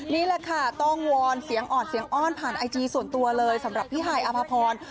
นี่แหละค่ะต้องวอนเสียงอ่อนเสียงอ้อนผ่านไอจีส่วนตัวเลยสำหรับพี่ฮายอภพร